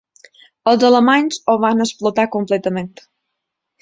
Els alemanys ho van explotar completament.